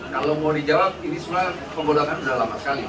kalau mau dijawab ini sebenarnya penggodakan sudah lama sekali